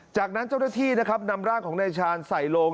จากนั้นเจ้าหน้าที่นะครับนำร่างของนายชาญใส่โลง